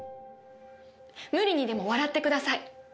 無理にでも笑ってください。